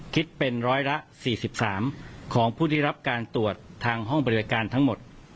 คิดเป็นร้อยละ๔๓ของผู้ที่รับการตรวจทางห้องบริการทั้งหมด